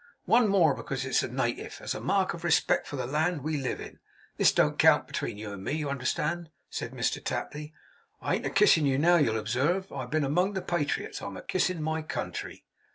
One more, because it's native! As a mark of respect for the land we live in! This don't count as between you and me, you understand,' said Mr Tapley. 'I ain't a kissing you now, you'll observe. I have been among the patriots; I'm a kissin' my country.